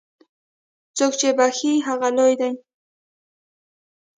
څوک چې بخښي، هغه لوی دی.